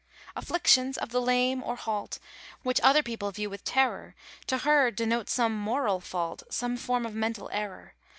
Afflictions of the lame or halt, Which other people view with terror, To her denote some moral fault, Some form of mental error.